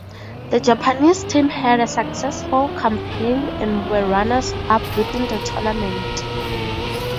The Japanese teamhad a successful campaign and were runners-up within the tournament.